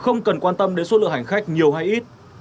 không cần quan tâm đến số lượng hành khách nhiều hay ít